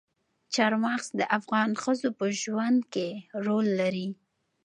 چار مغز د افغان ښځو په ژوند کې رول لري.